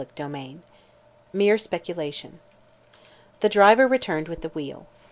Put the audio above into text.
CHAPTER X MERE SPECULATION The driver returned with the wheel.